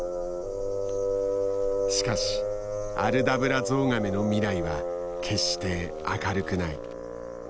しかしアルダブラゾウガメの未来は決して明るくない。